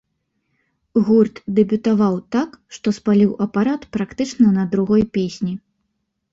Гурт дэбютаваў так, што спаліў апарат практычна на другой песні.